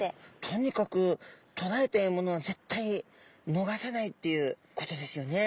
とにかくとらえた獲物は絶対逃さないっていうことですよね。